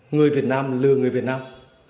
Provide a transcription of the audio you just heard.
người việt nam lừa người việt nam